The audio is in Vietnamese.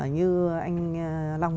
như anh long